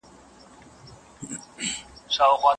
کله وعده کله انکار کله پلمه لګېږې